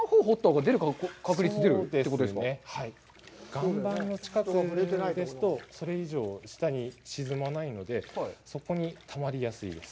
岩盤の近くですと、それ以上、下に沈まないので、底にたまりやすいです。